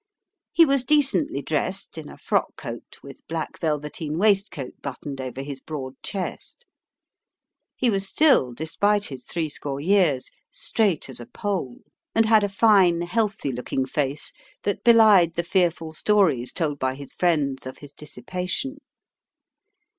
He was decently dressed in a frock coat, with black velveteen waistcoat buttoned over his broad chest. He was still, despite his threescore years, straight as a pole; and had a fine healthy looking face, that belied the fearful stories told by his friends of his dissipation.